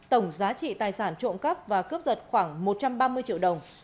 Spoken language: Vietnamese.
tổng giá trị tài sản trộm cắp và cướp giật khoảng một trăm ba mươi triệu đồng